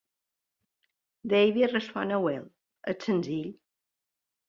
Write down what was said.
Davis respon a Well, és senzill.